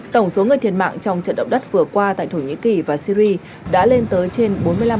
tổng số người thiệt mạng trong trận động đất vừa qua tại thổ nhĩ kỳ và syri đã lên tới trên bốn mươi năm